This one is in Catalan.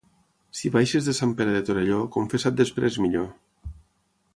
Si baixes de Sant Pere de Torelló, confessa't després, minyó.